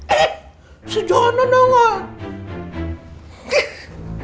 eh sejauhnya nangal